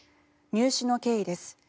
入手の経緯です。